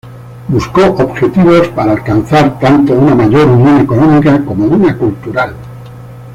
Buscó objetivos para alcanzar tanto una mayor unión económica como una cultural.